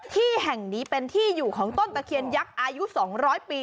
ที่แห่งนี้เป็นที่อยู่ของต้นตะเคียนยักษ์อายุ๒๐๐ปี